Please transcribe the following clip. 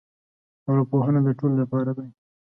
ارواپوهنه د ټولو لپاره دی.